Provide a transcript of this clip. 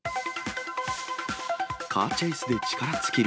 カーチェイスで力尽きる。